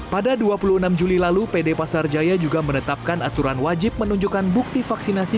pada dua puluh enam juli lalu pd pasar jaya juga menetapkan aturan wajib menunjukkan bukti vaksinasi